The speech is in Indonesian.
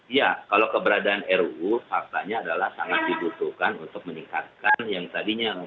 iya kalau keberadaan ruu faktanya adalah sangat dibutuhkan untuk meningkatkan yang tadinya